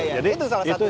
jadi itu salah satu